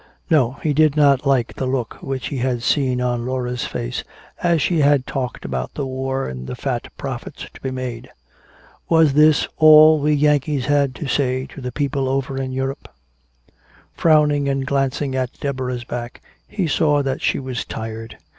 No, he did not like the look which he had seen on Laura's face as she had talked about the war and the fat profits to be made. Was this all we Yankees had to say to the people over in Europe? Frowning and glancing at Deborah's back, he saw that she was tired.